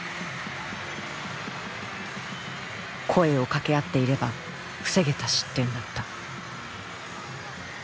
声をかけ合っていれば防げた失点だった。